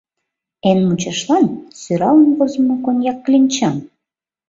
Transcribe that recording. Эн мучашлан — сӧралын возымо коньяк кленчам.